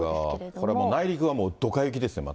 これも内陸はどか雪ですよ、また。